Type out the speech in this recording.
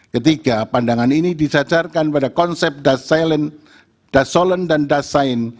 ketiga pandangan ini disajarkan pada konsep dasolen dan dasain